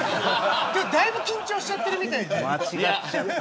だいぶ緊張しちゃってるみたいで。